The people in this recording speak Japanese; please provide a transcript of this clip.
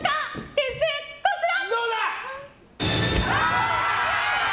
点数こちら！